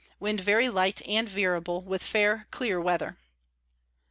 Wind very little, and veerable, with fair clear Weather.